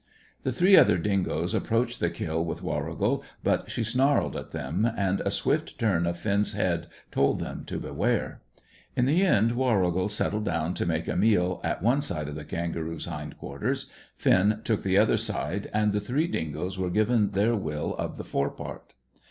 The three other dingoes approached the kill with Warrigal, but she snarled at them, and a swift turn of Finn's head told them to beware. In the end Warrigal settled down to make a meal at one side of the kangaroo's hind quarters, Finn took the other side, and the three dingoes were given their will of the fore part.